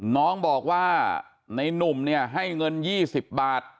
น้องบอกว่าในนุ่มเนี่ยให้เงิน๒๐บาท